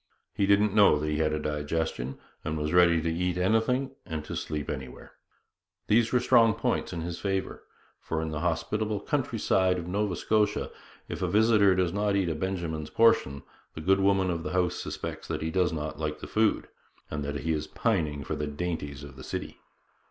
He didn't know that he had a digestion, and was ready to eat anything and to sleep anywhere. These were strong points in his favour; for in the hospitable countryside of Nova Scotia, if a visitor does not eat a Benjamin's portion, the good woman of the house suspects that he does not like the food, and that he is pining for the dainties of the city.